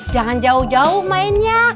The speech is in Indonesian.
jangan jauh jauh mainnya